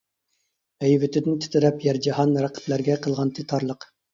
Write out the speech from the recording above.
ھەيۋىتىدىن تىترەپ يەر-جاھان رەقىبلەرگە قىلغانتى تارلىق.